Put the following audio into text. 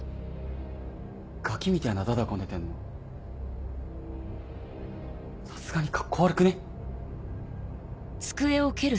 ガキみてぇな駄々こねてんのさすがにカッコ悪くね？